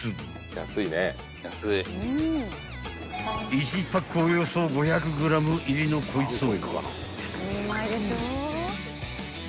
［１パックおよそ５００ｇ入りのこいつを］